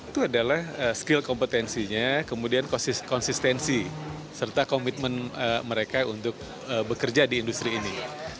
itu adalah skill kompetensinya kemudian konsistensi serta komitmen mereka untuk bekerja di industri ini